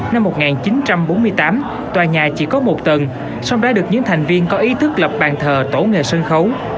năm một nghìn chín trăm bốn mươi tám tòa nhà chỉ có một tầng song đã được những thành viên có ý thức lập bàn thờ tổ nghề sân khấu